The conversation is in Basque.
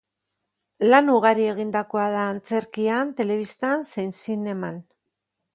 Lan ugari egindakoa da antzerkian, telebistan zein zineman.